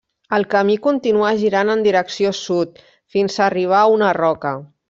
El camí continua girant en direcció sud, fins a arribar a una roca.